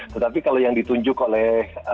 tetapi kalau yang ditunjuk oleh